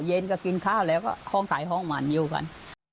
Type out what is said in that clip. เย็นก็กินข้าวแล้วก็ห้องขายห้องมันอยู่กัน